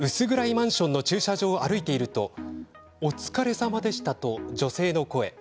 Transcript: マンションの駐車場を歩いているとお疲れさまでしたと女性の声。